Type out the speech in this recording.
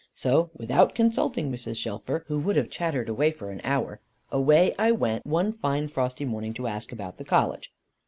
So without consulting Mrs. Shelfer, who would have chattered for an hour, away I went one tine frosty morning to ask about the College.